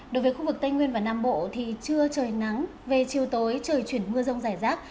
đối với khu vực tây nguyên và nam bộ thì trưa trời nắng về chiều tối trời chuyển mưa rông rải rác